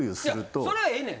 いやそれはええねん。